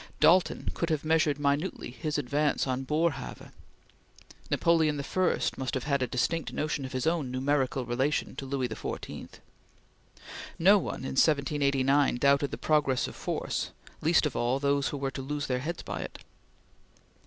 Dalton could have measured minutely his advance on Boerhaave. Napoleon I must have had a distinct notion of his own numerical relation to Louis XIV. No one in 1789 doubted the progress of force, least of all those who were to lose their heads by it.